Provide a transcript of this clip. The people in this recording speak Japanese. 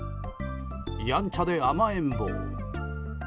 やんちゃで甘えん坊。